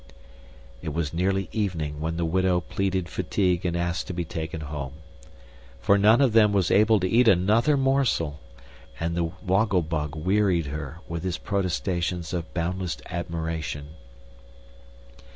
It was nearly evening when the widow pleaded fatigue and asked to be taken home. For none of them was able to eat another morsel, and the Woggle Bug wearied her with his protestations of boundless admiration.